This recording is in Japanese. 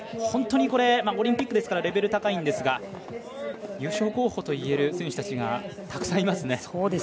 本当に、オリンピックですからレベルが高いんですが優勝候補といえる選手たちがたくさんいますね。